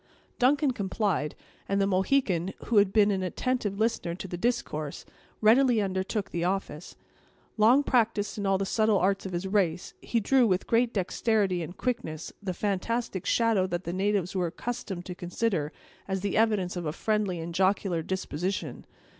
Duncan complied; and the Mohican, who had been an attentive listener to the discourse, readily undertook the office. Long practised in all the subtle arts of his race, he drew, with great dexterity and quickness, the fantastic shadow that the natives were accustomed to consider as the evidence of a friendly and jocular disposition.